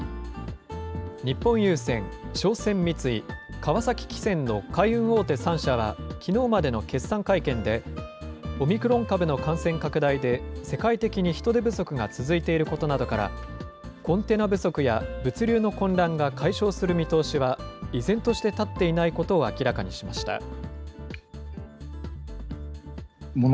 日本郵船、商船三井、川崎汽船の海運大手３社はきのうまでの決算会見で、オミクロン株の感染拡大で世界的に人手不足が続いていることなどから、コンテナ不足や物流の混乱が解消する見通しは依然として立っていないことを明らかにしました。